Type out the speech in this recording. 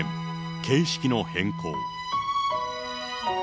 形式の変更。